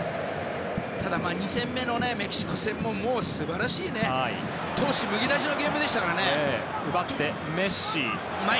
ただ２戦目のメキシコ戦も素晴らしい闘志むき出しのゲームでしたからね。